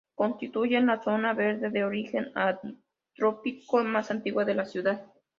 Constituyen la zona verde de origen antrópico más antigua de la ciudad.